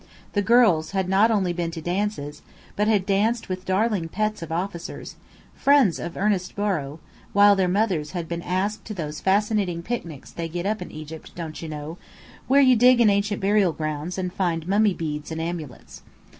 The girls had not only been to dances, but had danced with darling pets of officers, friends of Ernest Borrow; while their mothers had been asked to those fascinating picnics they get up in Egypt, don't you know, where you dig in ancient burial grounds and find mummy beads and amulets.